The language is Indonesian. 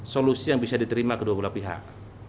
solusi yang bisa diterima kedua belah pihak